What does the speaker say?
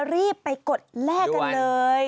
รีบไปกดแลกกันเลย